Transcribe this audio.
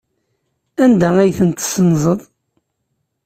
Anda ay ten-tessenzeḍ?